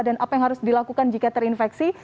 dan apa yang harus dilakukan jika terinfeksi